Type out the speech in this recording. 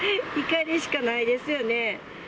怒りしかないですよね。